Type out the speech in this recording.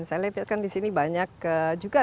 saya lihat kan disini banyak juga